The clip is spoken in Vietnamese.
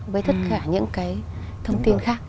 với tất cả những cái thông tin khác